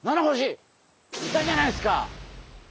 いたじゃないっすか。